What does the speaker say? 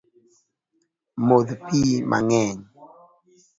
Modh pii mang’eny